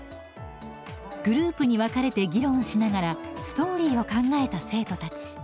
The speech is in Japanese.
グループに分かれて議論しながらストーリーを考えた生徒たち。